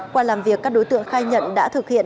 qua làm việc các đối tượng khai nhận đã thực hiện